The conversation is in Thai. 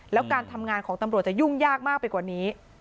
แล้วการทำงานของตำรวจจะยุ่งยากมากไปกว่านี้